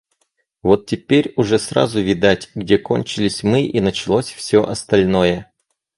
Вот теперь уже сразу видать, где кончились мы и началось всё остальное.